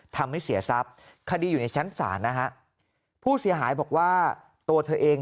ทำให้เสียทรัพย์คดีอยู่ในชั้นศาลนะฮะผู้เสียหายบอกว่าตัวเธอเอง